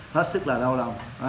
hết sức là đau lòng